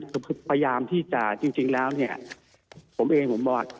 คือพยายามที่จะจริงแล้วเนี่ยผมเองผมบอก